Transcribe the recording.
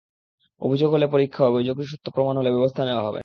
অভিযোগ হলে পরীক্ষা হবে, অভিযোগ সত্য প্রমাণিত হলে ব্যবস্থা নেওয়া হবে।